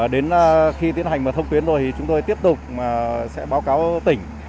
đến khi tiến hành và thông tuyến rồi thì chúng tôi tiếp tục sẽ báo cáo tỉnh